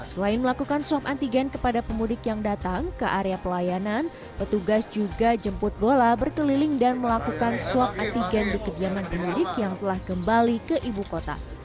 selain melakukan swab antigen kepada pemudik yang datang ke area pelayanan petugas juga jemput bola berkeliling dan melakukan swab antigen di kediaman pemudik yang telah kembali ke ibu kota